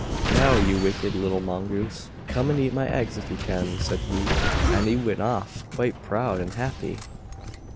"Now, you wicked little Mongoose, come and eat my eggs if you can," said he, and he went off quite proud and happy.